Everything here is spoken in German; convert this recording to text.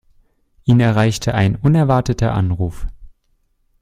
Ihn erreichte ein unerwarteter Anruf.